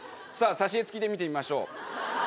さあ挿絵付きで見てみましょう。